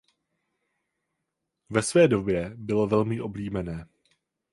Ve své době bylo velmi oblíbené.